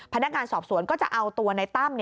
พนักการณ์สอบสวนก็จะเอาตัวนายตั้ม